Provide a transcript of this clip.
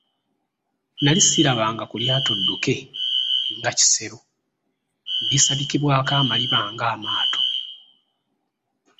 Nali sirabanga ku lyato dduke nga kisero ne lisabikibwako amaliba ng'amaato.